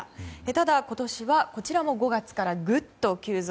ただ、今年はこちらも５月からぐっと急増。